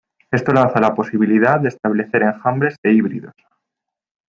Esto lanza la posibilidad de establecer enjambres de híbridos.